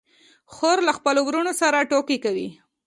خور له خپلو وروڼو سره ټوکې کوي.